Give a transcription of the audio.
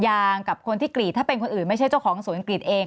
กับคนที่กรีดถ้าเป็นคนอื่นไม่ใช่เจ้าของสวนกรีดเอง